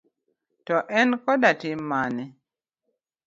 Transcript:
To, en koda tim mane?